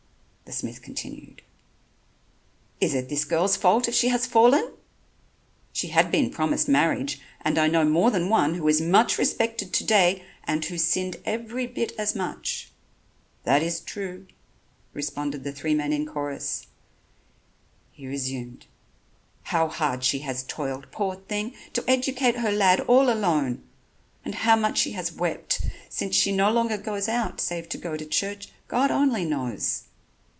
The smith continued: "Is it this girl's fault if she has fallen? She had been promised marriage and I know more than one who is much respected to day, and who sinned every bit as much." "That is true," responded the three men in chorus. He resumed: "How hard she has toiled, poor thing, to educate her lad all alone, and how much she has wept since she no longer goes out, save to go to church, God only knows."